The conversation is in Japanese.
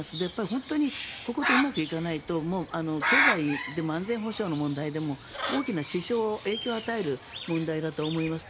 本当に、こことうまくいかないと経済でも安全保障の問題でも大きな支障、影響を与える問題だと思います。